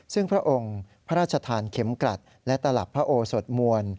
ซึ่งพระองค์พระราชทานเข็มกลัดและตลับพระโอสดมวล